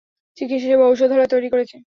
চিকিৎসা সেবা ও ঔষধালয় তৈরি করেছে।